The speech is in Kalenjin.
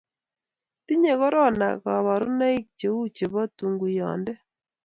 tinyei korona kaborunoik cheu chebo tunguyonde